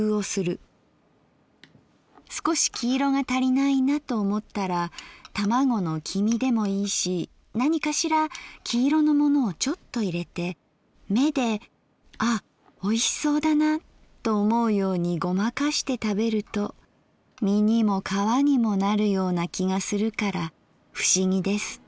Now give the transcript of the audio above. すこし黄色が足りないなと思ったら卵の黄身でもいいし何かしら黄色のものをちょっと入れて目で「あっおいしそうだな」と思うようにごまかして食べると身にも皮にもなるような気がするから不思議です」。